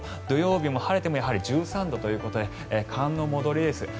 土曜日も晴れても１３度ということで寒の戻りです。